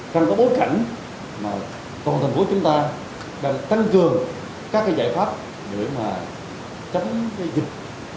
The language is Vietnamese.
trong cái bối cảnh mà toàn thành phố chúng ta đang tăng cường các cái giải pháp để mà chống cái dịch